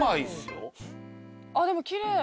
あっでもきれい。